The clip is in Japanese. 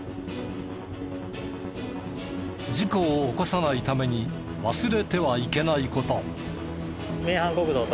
事故を起こさないために忘れてはいけない事。